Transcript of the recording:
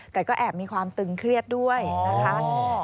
แต่ก็แอบมีความตึงเครียดด้วยนะคะ